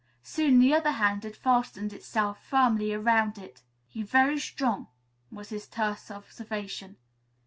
Soon the other hand had fastened itself firmly around it. "He very strong," was his terse observation.